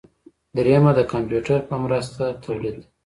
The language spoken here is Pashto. دریم د کمپیوټر په مرسته تولید دی.